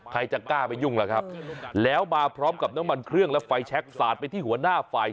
ใครจะกล้าไปยุ่งล่ะครับแล้วมาพร้อมกับน้ำมันเครื่องและไฟแชคสาดไปที่หัวหน้าฝ่าย